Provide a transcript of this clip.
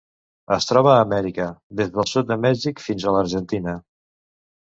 Es troba a Amèrica: des del sud de Mèxic fins a l'Argentina.